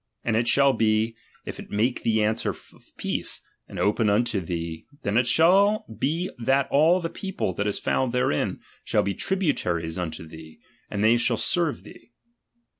And it shall be, if it make thee answer of peace, and open unto thee, then it shall be that all the people that is found therein, shall be tributaries unto thee, and they shall serve thee.